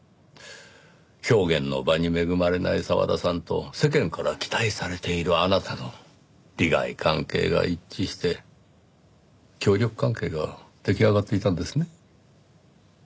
表現の場に恵まれない澤田さんと世間から期待されているあなたの利害関係が一致して協力関係が出来上がっていたんですね？